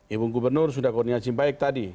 ibu gubernur sudah koordinasi baik tadi